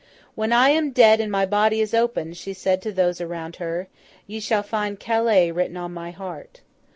'When I am dead and my body is opened,' she said to those around those around her, 'ye shall find Calais written on my heart.